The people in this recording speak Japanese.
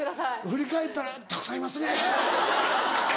振り返ったらたくさんいますね！